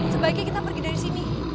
sebaiknya kita pergi dari sini